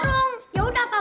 gigi gue ntar patah